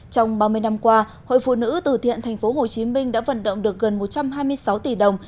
trong ba mươi năm qua hội phụ nữ từ thiện tp hcm đã vận động được gần một trăm hai mươi sáu tỷ đồng